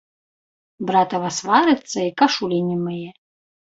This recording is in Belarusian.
Братава сварыцца і кашулі не мые.